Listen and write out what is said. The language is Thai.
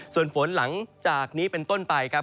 ส่วนฝนหลังจากนี้เป็นต้นไปครับ